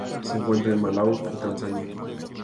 Se encuentra en Malaui y Tanzania.